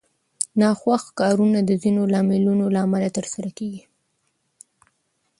ناخوښ کارونه د ځینو لاملونو له امله ترسره کېږي.